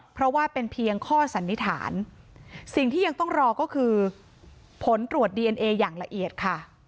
เพราะว่าเป็นเพียงข้อสันนิษฐานสิ่งที่ยังต้องรอก็คือผลตรวจดีเอนเออย่างละเอียดค่ะ